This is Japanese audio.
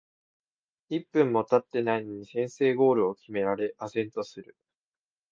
一分もたってないのに先制ゴールを決められ呆然とする